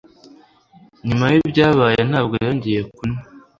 Nyuma yibyabaye, ntabwo yongeye kunywa.